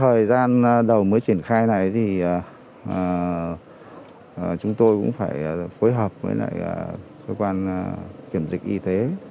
trong cái thời gian đầu mới triển khai này thì chúng tôi cũng phải phối hợp với lại cơ quan kiểm dịch y tế